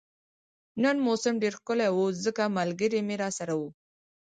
نن موسم ډیر ښکلی وو ځکه ملګري مې راسره وو